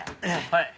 はい。